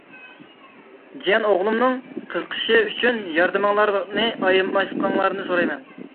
جىيەن ئوغلۇمنىڭ قىزىقىشى ئۈچۈن ياردىمىڭلارنى ئايىماسلىقىڭلارنى سورايمەن.